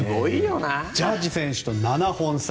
ジャッジ選手と７本差。